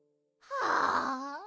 はあ。